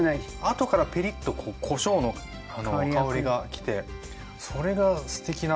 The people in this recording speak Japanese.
あとからピリッとこしょうの香りがきてそれがすてきなアクセントになってますね。